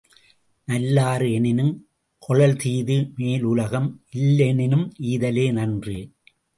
நல்லாறு எனினும் கொளல்தீது மேலுலகம் இல்லெனினும் ஈதலே நன்று.